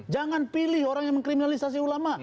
jangan pilih orang yang mengkriminalisasi ulama